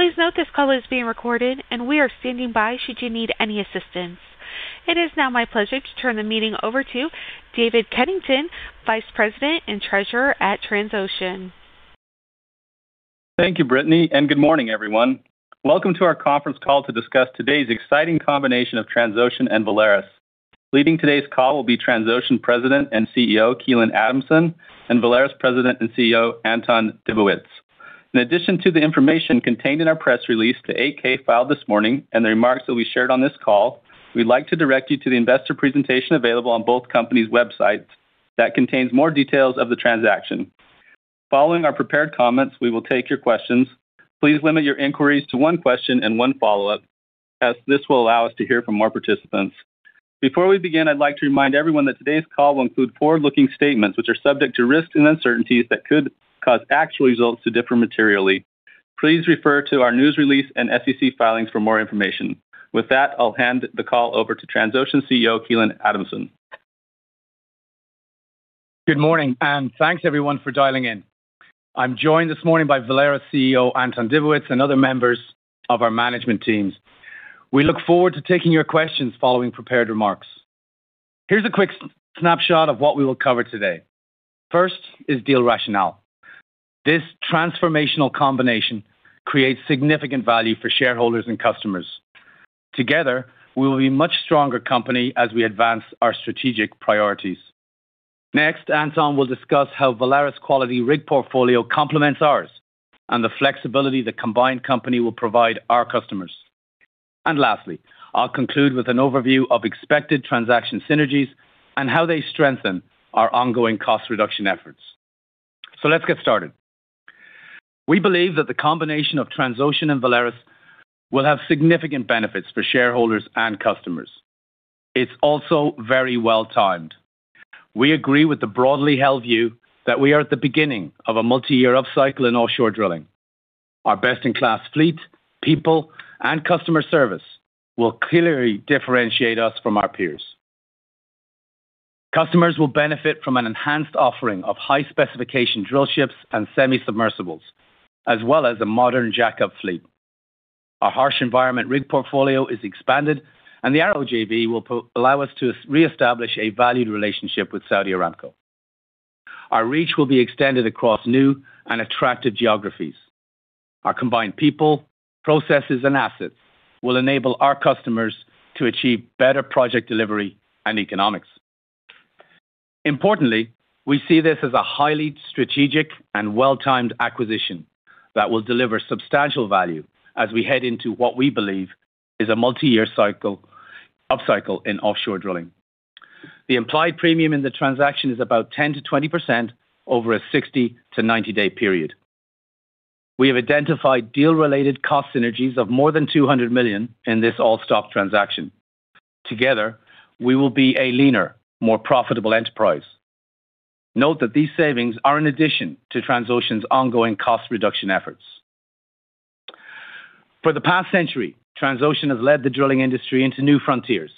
Please note this call is being recorded, and we are standing by should you need any assistance. It is now my pleasure to turn the meeting over to David Keddington, Vice President and Treasurer at Transocean. Thank you, Brittany, and good morning, everyone. Welcome to our conference call to discuss today's exciting combination of Transocean and Valaris. Leading today's call will be Transocean President and CEO Keelan Adamson and Valaris President and CEO Anton Dibowitz. In addition to the information contained in our press release to 8-K filed this morning and the remarks that we shared on this call, we'd like to direct you to the investor presentation available on both companies' websites that contains more details of the transaction. Following our prepared comments, we will take your questions. Please limit your inquiries to one question and one follow-up, as this will allow us to hear from more participants. Before we begin, I'd like to remind everyone that today's call will include forward-looking statements which are subject to risks and uncertainties that could cause actual results to differ materially. Please refer to our news release and SEC filings for more information. With that, I'll hand the call over to Transocean CEO Keelan Adamson. Good morning, and thanks, everyone, for dialing in. I'm joined this morning by Valaris CEO Anton Dibowitz and other members of our management teams. We look forward to taking your questions following prepared remarks. Here's a quick snapshot of what we will cover today. First is deal rationale. This transformational combination creates significant value for shareholders and customers. Together, we will be a much stronger company as we advance our strategic priorities. Next, Anton will discuss how Valaris' quality rig portfolio complements ours and the flexibility the combined company will provide our customers. And lastly, I'll conclude with an overview of expected transaction synergies and how they strengthen our ongoing cost reduction efforts. So let's get started. We believe that the combination of Transocean and Valaris will have significant benefits for shareholders and customers. It's also very well-timed. We agree with the broadly held view that we are at the beginning of a multi-year upcycle in offshore drilling. Our best-in-class fleet, people, and customer service will clearly differentiate us from our peers. Customers will benefit from an enhanced offering of high-specification drillships and semi-submersibles, as well as a modern jack-up fleet. Our harsh environment rig portfolio is expanded, and the ARO JV will allow us to reestablish a valued relationship with Saudi Aramco. Our reach will be extended across new and attractive geographies. Our combined people, processes, and assets will enable our customers to achieve better project delivery and economics. Importantly, we see this as a highly strategic and well-timed acquisition that will deliver substantial value as we head into what we believe is a multi-year upcycle in offshore drilling. The implied premium in the transaction is about 10%-20% over a 60-90-day period. We have identified deal-related cost synergies of more than $200 million in this all-stock transaction. Together, we will be a leaner, more profitable enterprise. Note that these savings are in addition to Transocean's ongoing cost reduction efforts. For the past century, Transocean has led the drilling industry into new frontiers,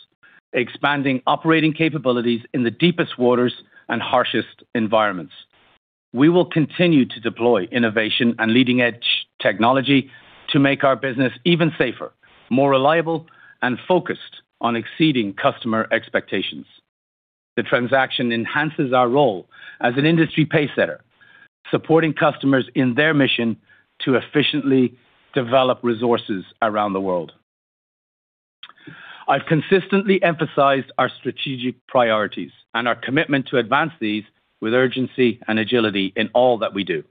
expanding operating capabilities in the deepest waters and harshest environments. We will continue to deploy innovation and leading-edge technology to make our business even safer, more reliable, and focused on exceeding customer expectations. The transaction enhances our role as an industry pacesetter, supporting customers in their mission to efficiently develop resources around the world. I've consistently emphasized our strategic priorities and our commitment to advance these with urgency and agility in all that we do.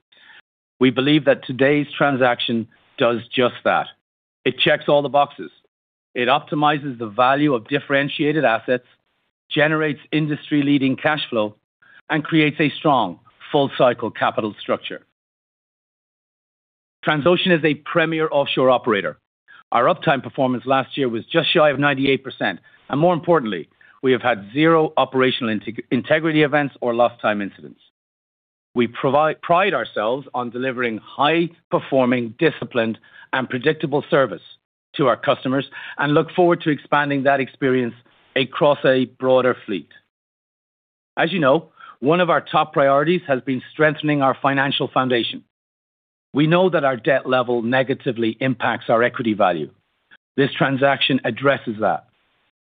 We believe that today's transaction does just that. It checks all the boxes. It optimizes the value of differentiated assets, generates industry-leading cash flow, and creates a strong, full-cycle capital structure. Transocean is a premier offshore operator. Our uptime performance last year was just shy of 98%, and more importantly, we have had 0 operational integrity events or lost-time incidents. We pride ourselves on delivering high-performing, disciplined, and predictable service to our customers and look forward to expanding that experience across a broader fleet. As you know, one of our top priorities has been strengthening our financial foundation. We know that our debt level negatively impacts our equity value. This transaction addresses that,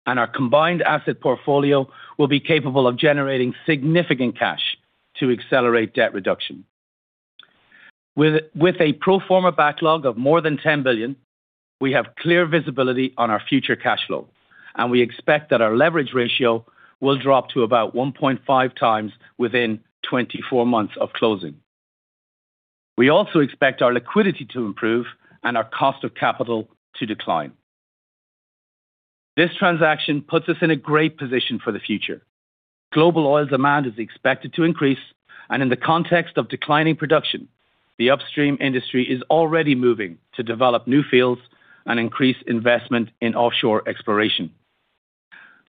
and our combined asset portfolio will be capable of generating significant cash to accelerate debt reduction. With a pro forma backlog of more than $10 billion, we have clear visibility on our future cash flow, and we expect that our leverage ratio will drop to about 1.5 times within 24 months of closing. We also expect our liquidity to improve and our cost of capital to decline. This transaction puts us in a great position for the future. Global oil demand is expected to increase, and in the context of declining production, the upstream industry is already moving to develop new fields and increase investment in offshore exploration.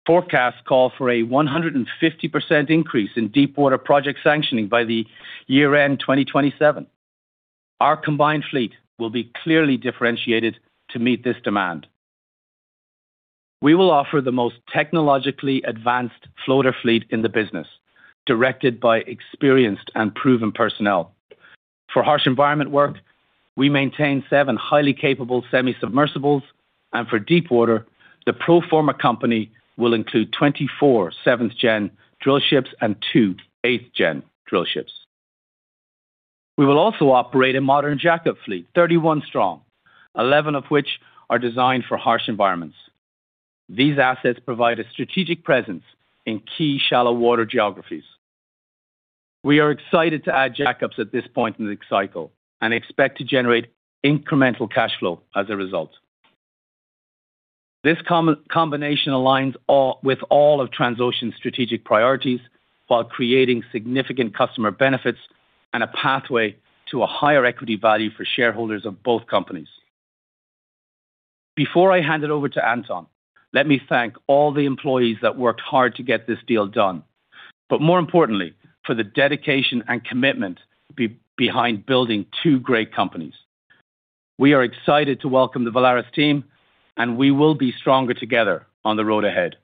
Forecasts call for a 150% increase in deep-water project sanctioning by the year-end 2027. Our combined fleet will be clearly differentiated to meet this demand. We will offer the most technologically advanced floater fleet in the business, directed by experienced and proven personnel. For harsh environment work, we maintain seven highly capable semi-submersibles, and for deep water, the pro forma company will include 24 7th Gen drillships and two 8th Gen drillships. We will also operate a modern jack-up fleet, 31 strong, 11 of which are designed for harsh environments. These assets provide a strategic presence in key shallow-water geographies. We are excited to add jack-ups at this point in the cycle and expect to generate incremental cash flow as a result. This combination aligns with all of Transocean's strategic priorities while creating significant customer benefits and a pathway to a higher equity value for shareholders of both companies. Before I hand it over to Anton, let me thank all the employees that worked hard to get this deal done, but more importantly, for the dedication and commitment behind building two great companies. We are excited to welcome the Valaris team, and we will be stronger together on the road ahead.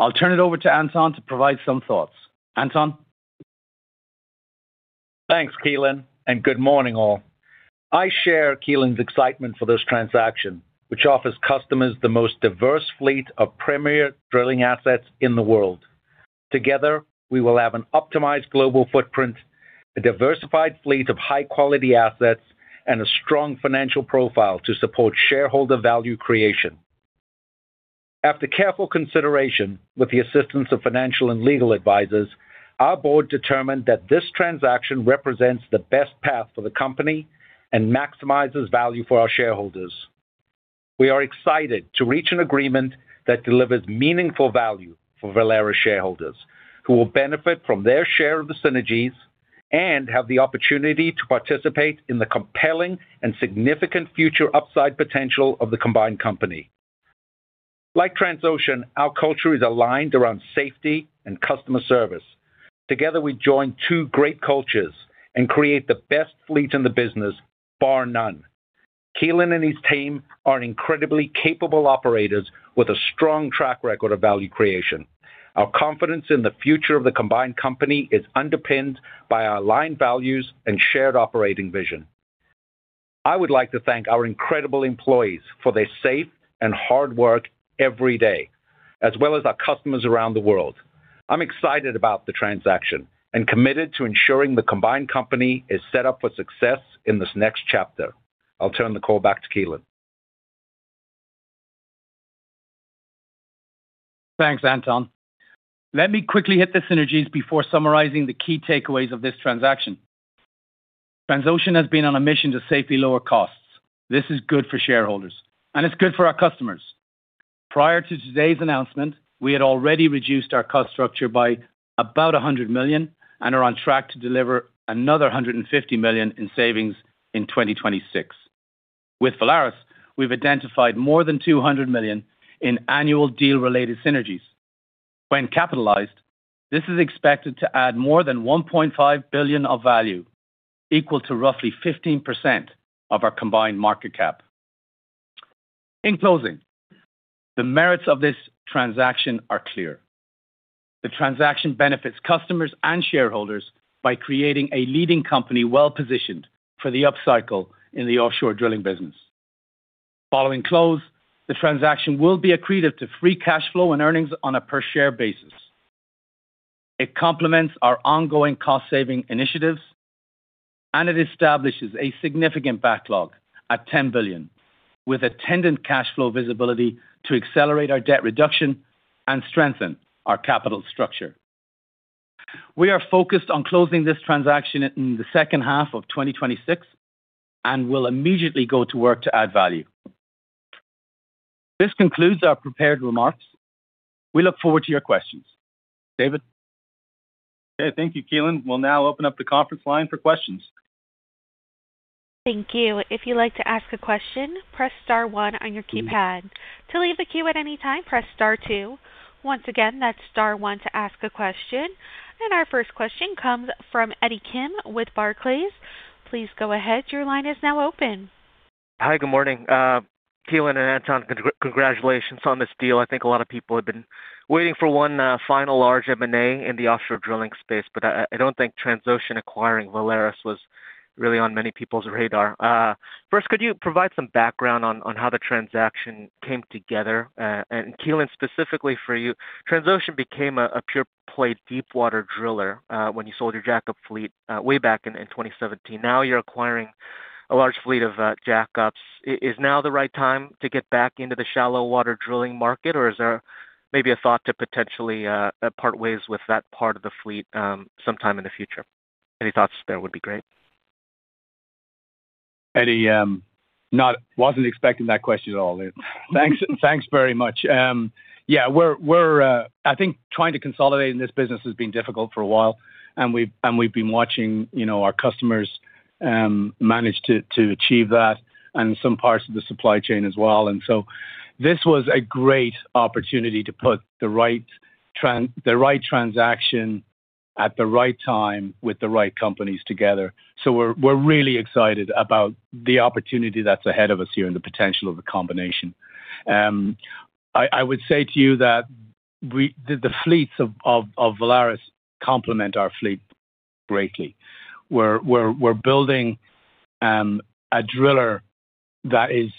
I'll turn it over to Anton to provide some thoughts. Anton? Thanks, Keelan, and good morning, all. I share Keelan's excitement for this transaction, which offers customers the most diverse fleet of premier drilling assets in the world. Together, we will have an optimized global footprint, a diversified fleet of high-quality assets, and a strong financial profile to support shareholder value creation. After careful consideration, with the assistance of financial and legal advisors, our board determined that this transaction represents the best path for the company and maximizes value for our shareholders. We are excited to reach an agreement that delivers meaningful value for Valaris shareholders, who will benefit from their share of the synergies and have the opportunity to participate in the compelling and significant future upside potential of the combined company. Like Transocean, our culture is aligned around safety and customer service. Together, we join two great cultures and create the best fleet in the business, bar none. Keelan and his team are incredibly capable operators with a strong track record of value creation. Our confidence in the future of the combined company is underpinned by our aligned values and shared operating vision. I would like to thank our incredible employees for their safe and hard work every day, as well as our customers around the world. I'm excited about the transaction and committed to ensuring the combined company is set up for success in this next chapter. I'll turn the call back to Keelan. Thanks, Anton. Let me quickly hit the synergies before summarizing the key takeaways of this transaction. Transocean has been on a mission to safely lower costs. This is good for shareholders, and it's good for our customers. Prior to today's announcement, we had already reduced our cost structure by about $100 million and are on track to deliver another $150 million in savings in 2026. With Valaris, we've identified more than $200 million in annual deal-related synergies. When capitalized, this is expected to add more than $1.5 billion of value, equal to roughly 15% of our combined market cap. In closing, the merits of this transaction are clear. The transaction benefits customers and shareholders by creating a leading company well-positioned for the upcycle in the offshore drilling business. Following close, the transaction will be accretive to free cash flow and earnings on a per-share basis. It complements our ongoing cost-saving initiatives, and it establishes a significant backlog of $10 billion, with attendant cash flow visibility to accelerate our debt reduction and strengthen our capital structure. We are focused on closing this transaction in the second half of 2026 and will immediately go to work to add value. This concludes our prepared remarks. We look forward to your questions. David? Okay, thank you, Keelan. We'll now open up the conference line for questions. Thank you. If you'd like to ask a question, press star one on your keypad. To leave a queue at any time, press star two. Once again, that's star one to ask a question. Our first question comes from Eddie Kim with Barclays. Please go ahead. Your line is now open. Hi, good morning. Keelan and Anton, congratulations on this deal. I think a lot of people have been waiting for one final large M&A in the offshore drilling space, but I don't think Transocean acquiring Valaris was really on many people's radar. First, could you provide some background on how the transaction came together? And Keelan, specifically for you, Transocean became a pure-play deep-water driller when you sold your jack-up fleet way back in 2017. Now you're acquiring a large fleet of jack-ups. Is now the right time to get back into the shallow-water drilling market, or is there maybe a thought to potentially part ways with that part of the fleet sometime in the future? Any thoughts there would be great. Eddie, wasn't expecting that question at all. Thanks very much. Yeah, I think trying to consolidate in this business has been difficult for a while, and we've been watching our customers manage to achieve that and some parts of the supply chain as well. So this was a great opportunity to put the right transaction at the right time with the right companies together. We're really excited about the opportunity that's ahead of us here and the potential of the combination. I would say to you that the fleets of Valaris complement our fleet greatly. We're building a driller that is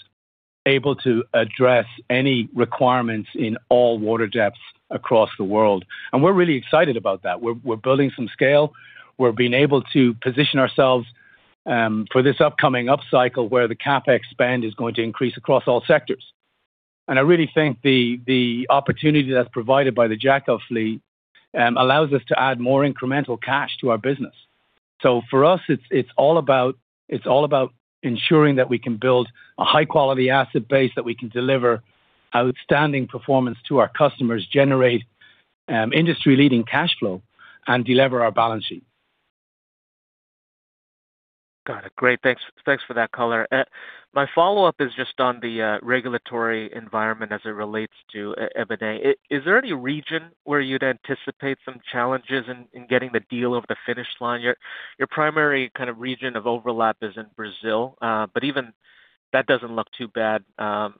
able to address any requirements in all water depths across the world. We're really excited about that. We're building some scale. We're being able to position ourselves for this upcoming upcycle where the CapEx spend is going to increase across all sectors. I really think the opportunity that's provided by the jack-up fleet allows us to add more incremental cash to our business. So for us, it's all about ensuring that we can build a high-quality asset base that we can deliver outstanding performance to our customers, generate industry-leading cash flow, and deliver our balance sheet. Got it. Great. Thanks for that color. My follow-up is just on the regulatory environment as it relates to M&A. Is there any region where you'd anticipate some challenges in getting the deal over the finish line? Your primary kind of region of overlap is in Brazil, but even that doesn't look too bad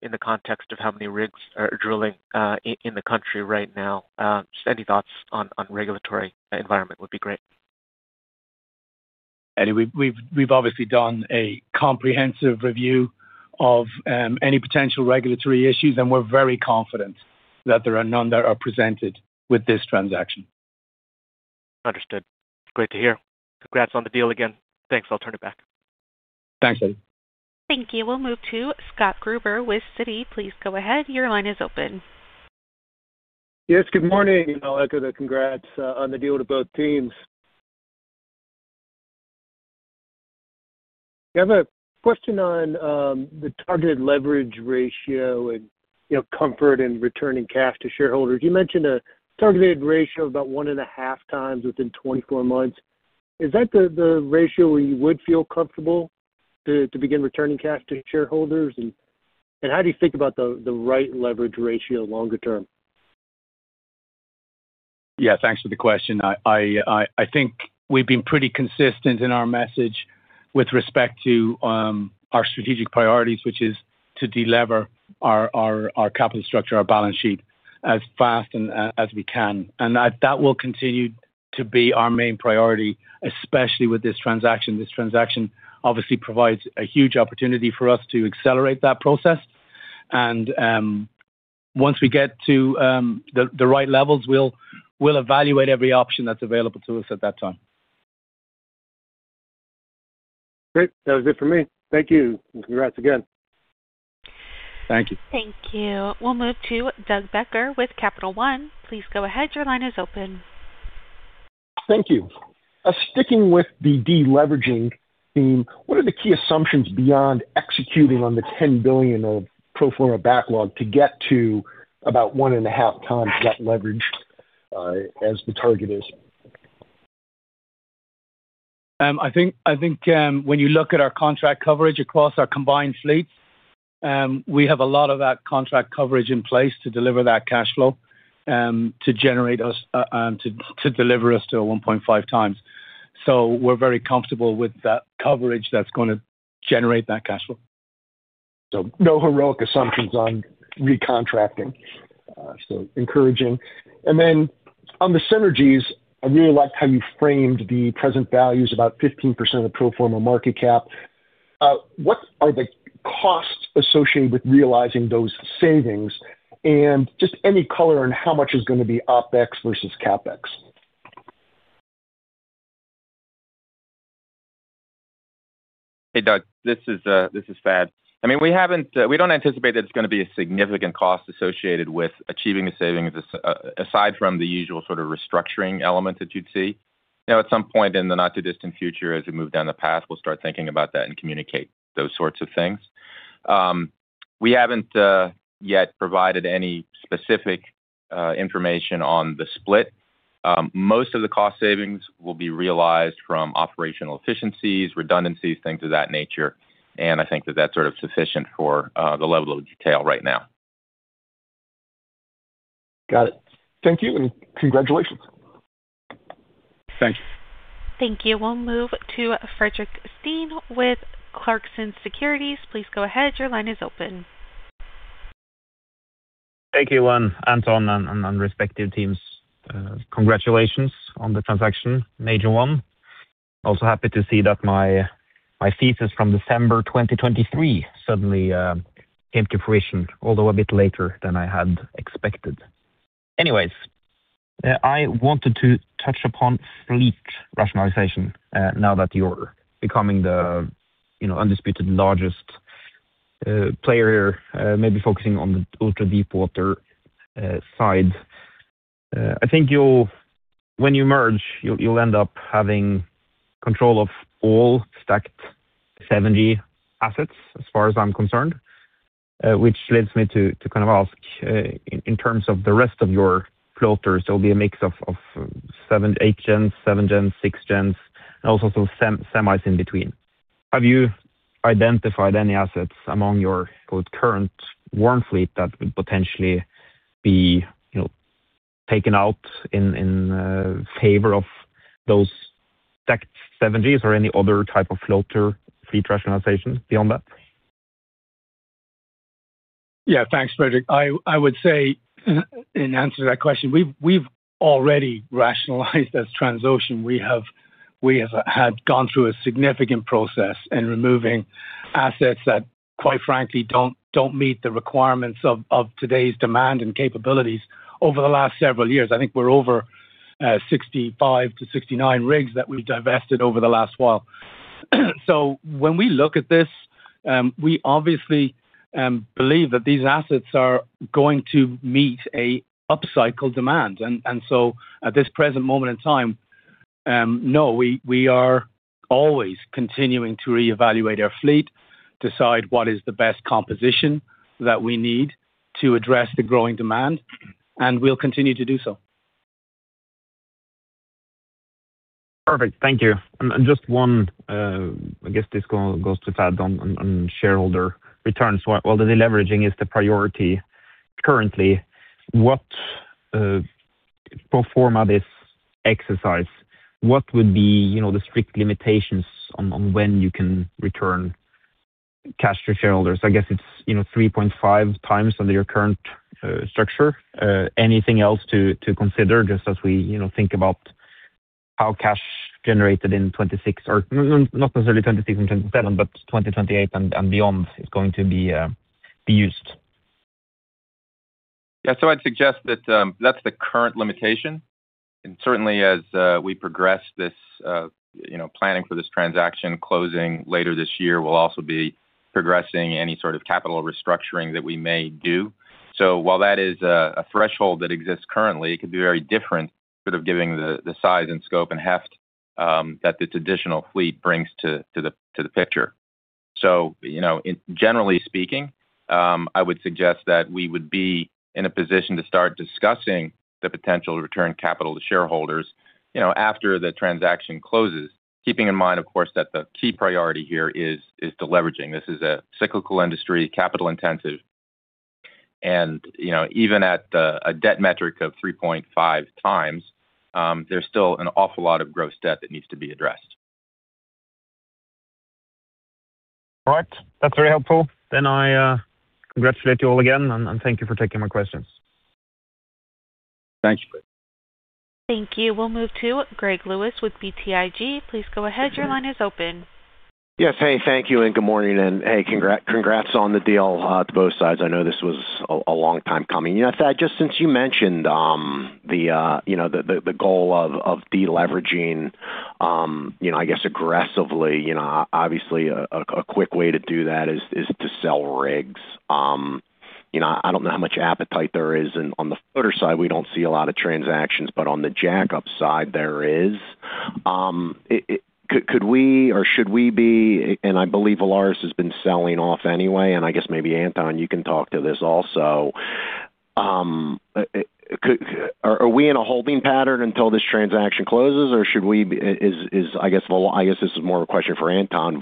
in the context of how many rigs are drilling in the country right now. Any thoughts on regulatory environment would be great. Eddie, we've obviously done a comprehensive review of any potential regulatory issues, and we're very confident that there are none that are presented with this transaction. Understood. Great to hear. Congrats on the deal again. Thanks. I'll turn it back. Thanks, Eddie. Thank you. We'll move to Scott Gruber with Citi. Please go ahead. Your line is open. Yes, good morning, Alecca. Congrats on the deal to both teams. I have a question on the targeted leverage ratio and comfort in returning cash to shareholders. You mentioned a targeted ratio of about 1.5 times within 24 months. Is that the ratio where you would feel comfortable to begin returning cash to shareholders? And how do you think about the right leverage ratio longer term? Yeah, thanks for the question. I think we've been pretty consistent in our message with respect to our strategic priorities, which is to deliver our capital structure, our balance sheet, as fast as we can. And that will continue to be our main priority, especially with this transaction. This transaction obviously provides a huge opportunity for us to accelerate that process. And once we get to the right levels, we'll evaluate every option that's available to us at that time. Great. That was it for me. Thank you, and congrats again. Thank you. Thank you. We'll move to Doug Becker with Capital One. Please go ahead. Your line is open. Thank you. Sticking with the deleveraging theme, what are the key assumptions beyond executing on the $10 billion of pro forma backlog to get to about 1.5x that leverage as the target is? I think when you look at our contract coverage across our combined fleets, we have a lot of that contract coverage in place to deliver that cash flow to generate us to deliver us to 1.5 times. So we're very comfortable with that coverage that's going to generate that cash flow. So no heroic assumptions on recontracting. So encouraging. And then on the synergies, I really liked how you framed the present values about 15% of the pro forma market cap. What are the costs associated with realizing those savings? And just any color on how much is going to be OpEx versus CapEx? Hey, Doug, this is Thad. I mean, we don't anticipate that it's going to be a significant cost associated with achieving the savings aside from the usual sort of restructuring element that you'd see. At some point in the not-too-distant future, as we move down the path, we'll start thinking about that and communicate those sorts of things. We haven't yet provided any specific information on the split. Most of the cost savings will be realized from operational efficiencies, redundancies, things of that nature. And I think that that's sort of sufficient for the level of detail right now. Got it. Thank you and congratulations. Thank you. Thank you. We'll move to Fredrik Stene with Clarksons Securities. Please go ahead. Your line is open. Hey, Keelan, Anton, and respective teams, congratulations on the transaction, major one. Also happy to see that my thesis from December 2023 suddenly came to fruition, although a bit later than I had expected. Anyways, I wanted to touch upon fleet rationalization now that you're becoming the undisputed largest player here, maybe focusing on the ultra-deep water side. I think when you merge, you'll end up having control of all stacked 7G assets, as far as I'm concerned, which leads me to kind of ask, in terms of the rest of your floaters, there'll be a mix of 8Gens, 7Gens, 6Gens, and also some semis in between. Have you identified any assets among your current warm fleet that would potentially be taken out in favor of those stacked 7Gs or any other type of floater fleet rationalization beyond that? Yeah, thanks, Fredrik. I would say, in answer to that question, we've already rationalized as Transocean. We have gone through a significant process in removing assets that, quite frankly, don't meet the requirements of today's demand and capabilities over the last several years. I think we're over 65 rigs-69 rigs that we've divested over the last while. So when we look at this, we obviously believe that these assets are going to meet a upcycled demand. And so at this present moment in time, no, we are always continuing to reevaluate our fleet, decide what is the best composition that we need to address the growing demand, and we'll continue to do so. Perfect. Thank you. And just one, I guess this goes to Thad on shareholder returns. While the deleveraging is the priority currently, pro forma this exercise, what would be the strict limitations on when you can return cash to shareholders? I guess it's 3.5x under your current structure. Anything else to consider just as we think about how cash generated in 2026 or not necessarily 2026 and 2027, but 2028 and beyond is going to be used? Yeah, so I'd suggest that that's the current limitation. Certainly, as we progress this planning for this transaction, closing later this year will also be progressing any sort of capital restructuring that we may do. While that is a threshold that exists currently, it could be very different sort of given the size and scope and heft that this additional fleet brings to the picture. Generally speaking, I would suggest that we would be in a position to start discussing the potential to return capital to shareholders after the transaction closes, keeping in mind, of course, that the key priority here is deleveraging. This is a cyclical industry, capital-intensive. Even at a debt metric of 3.5x, there's still an awful lot of gross debt that needs to be addressed. All right. That's very helpful. Then I congratulate you all again, and thank you for taking my questions. Thank you. Thank you. We'll move to Greg Lewis with BTIG. Please go ahead. Your line is open. Yes. Hey, thank you and good morning. Hey, congrats on the deal to both sides. I know this was a long time coming. Thad, just since you mentioned the goal of deleveraging, I guess, aggressively, obviously, a quick way to do that is to sell rigs. I don't know how much appetite there is. On the floater side, we don't see a lot of transactions, but on the jack-up side, there is. Could we or should we be and I believe Valaris has been selling off anyway. I guess maybe Anton, you can talk to this also. Are we in a holding pattern until this transaction closes, or should we? I guess this is more of a question for Anton.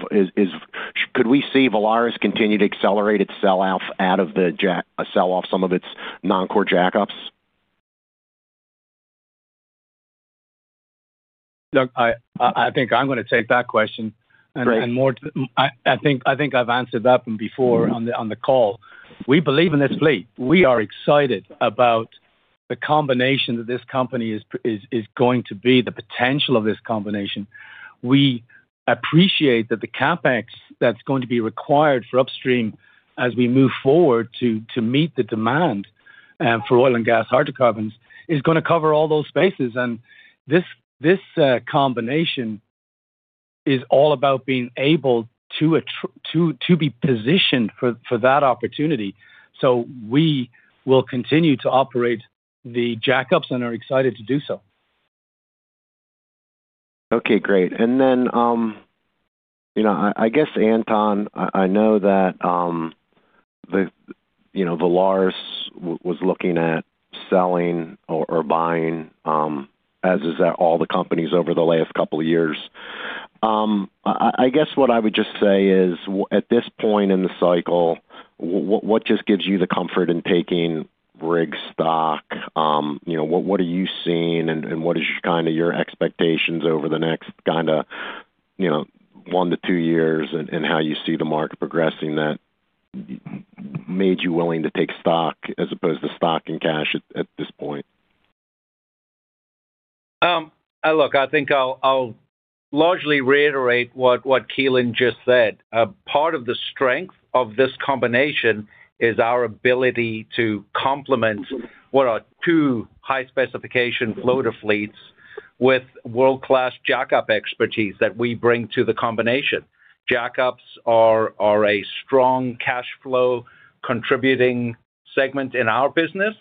Could we see Valaris continue to accelerate its sell-off out of the sell-off some of its non-core jack-ups? Doug, I think I'm going to take that question. I think I've answered that one before on the call. We believe in this fleet. We are excited about the combination that this company is going to be, the potential of this combination. We appreciate that the CapEx that's going to be required for upstream as we move forward to meet the demand for oil and gas hydrocarbons is going to cover all those spaces. This combination is all about being able to be positioned for that opportunity. We will continue to operate the jack-ups and are excited to do so. Okay. Great. And then I guess, Anton, I know that Valaris was looking at selling or buying, as is all the companies over the last couple of years. I guess what I would just say is, at this point in the cycle, what just gives you the comfort in taking rig stock? What are you seeing, and what is kind of your expectations over the next kind of one to two years and how you see the market progressing that made you willing to take stock as opposed to stock and cash at this point? Look, I think I'll largely reiterate what Keelan just said. Part of the strength of this combination is our ability to complement what are two high-specification floater fleets with world-class jack-up expertise that we bring to the combination. Jack-ups are a strong cash flow contributing segment in our business,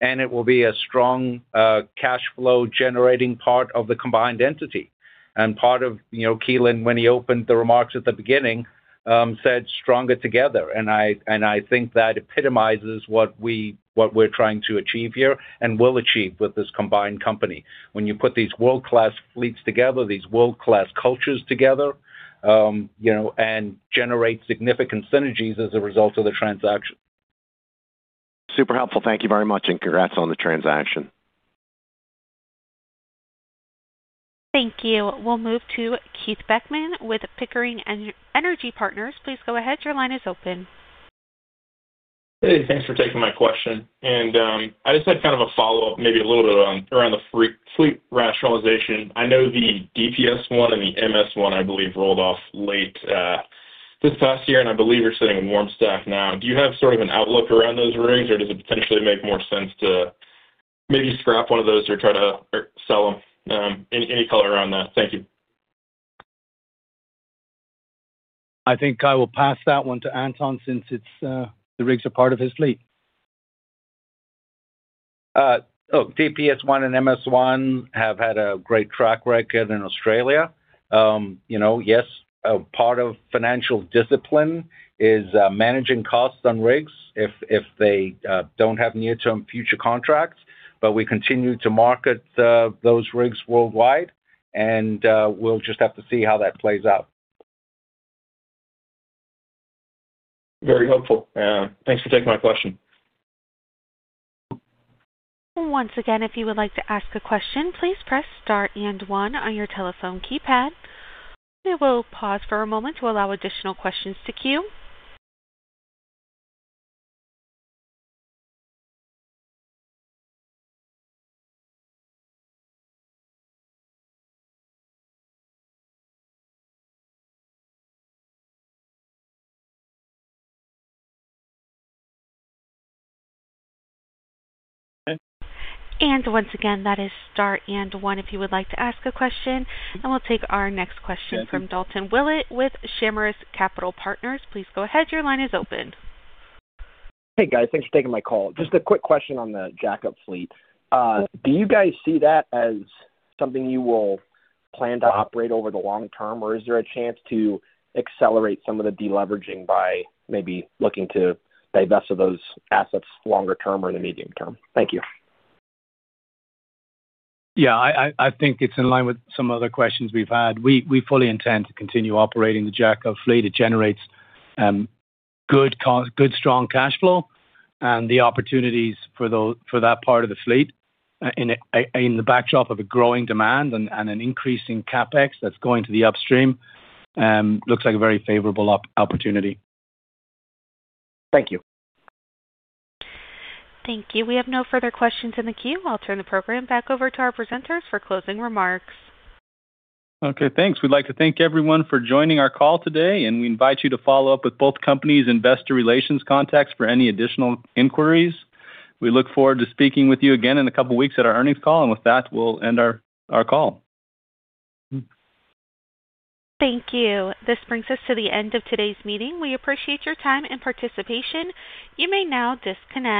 and it will be a strong cash flow generating part of the combined entity. And part of Keelan, when he opened the remarks at the beginning, said, "Stronger together." And I think that epitomizes what we're trying to achieve here and will achieve with this combined company. When you put these world-class fleets together, these world-class cultures together, and generate significant synergies as a result of the transaction. Super helpful. Thank you very much, and congrats on the transaction. Thank you. We'll move to Keith Beckman with Pickering Energy Partners. Please go ahead. Your line is open. Hey, thanks for taking my question. I just had kind of a follow-up, maybe a little bit around the fleet rationalization. I know the DPS-1 and the MS-1, I believe, rolled off late this past year, and I believe you're sitting in warm stacked now. Do you have sort of an outlook around those rigs, or does it potentially make more sense to maybe scrap one of those or try to sell them? Any color around that? Thank you. I think I will pass that one to Anton since the rigs are part of his fleet. Oh, DPS-1 and MS-1 have had a great track record in Australia. Yes, part of financial discipline is managing costs on rigs if they don't have near-term future contracts. But we continue to market those rigs worldwide, and we'll just have to see how that plays out. Very helpful. Thanks for taking my question. And once again, if you would like to ask a question, please press star one on your telephone keypad. It will pause for a moment to allow additional questions to queue. And once again, that is star one if you would like to ask a question. And we'll take our next question from Dalton Willett with Charmos Capital Partners. Please go ahead. Your line is open. Hey, guys. Thanks for taking my call. Just a quick question on the jack-up fleet. Do you guys see that as something you will plan to operate over the long term, or is there a chance to accelerate some of the deleveraging by maybe looking to divest of those assets longer term or in the medium term? Thank you. Yeah, I think it's in line with some other questions we've had. We fully intend to continue operating the jack-up fleet. It generates good, strong cash flow. And the opportunities for that part of the fleet in the backdrop of a growing demand and an increasing CapEx that's going to the upstream looks like a very favorable opportunity. Thank you. Thank you. We have no further questions in the queue. I'll turn the program back over to our presenters for closing remarks. Okay. Thanks. We'd like to thank everyone for joining our call today, and we invite you to follow up with both companies' investor relations contacts for any additional inquiries. We look forward to speaking with you again in a couple of weeks at our earnings call. With that, we'll end our call. Thank you. This brings us to the end of today's meeting. We appreciate your time and participation. You may now disconnect.